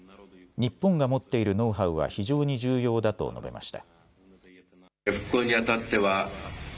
日本が持っているノウハウは非常に重要だと述べました。